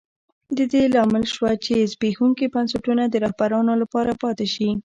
د دې لامل شوه چې زبېښونکي بنسټونه د رهبرانو لپاره پاتې شي.